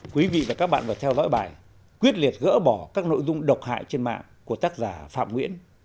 quý vị và các bạn vừa theo dõi bài quyết liệt gỡ bỏ các nội dung độc hại trên mạng của tác giả phạm nguyễn